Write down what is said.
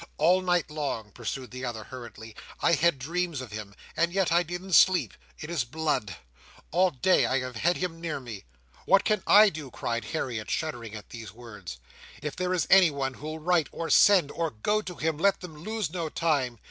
"All night long," pursued the other, hurriedly, "I had dreams of him—and yet I didn't sleep—in his blood. All day, I have had him near me." "What can I do?" cried Harriet, shuddering at these words. "If there is anyone who'll write, or send, or go to him, let them lose no time.